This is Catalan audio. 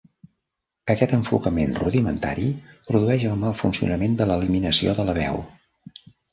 Aquest enfocament rudimentari produeix el mal funcionament de l'eliminació de la veu.